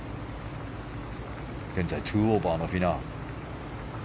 現在２オーバーのフィナウ。